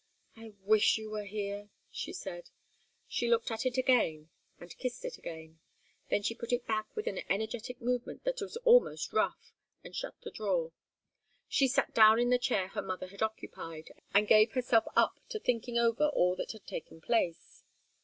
"I wish you were here!" she said. She looked at it again, and again kissed it. Then she put it back with an energetic movement that was almost rough, and shut the drawer. She sat down in the chair her mother had occupied, and gave herself up to thinking over all that had taken place.